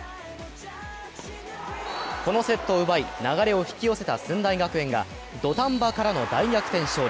このセットを奪い流れを引き寄せた駿台学園が土壇場からの大逆転勝利。